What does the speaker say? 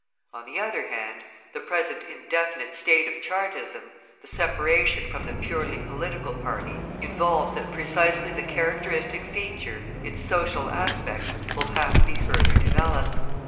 On the other hand, the present indefinite state of Chartism, the separation from the purely political party, involves that precisely the characteristic feature, its social aspect, will have to be further developed.